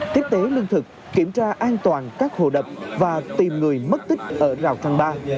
tiếp tế lương thực kiểm tra an toàn các hồ đập và tìm người mất tích ở rào thang ba